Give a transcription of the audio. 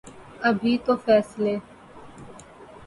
ابھی تو فیصلے